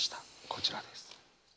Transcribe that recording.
こちらです。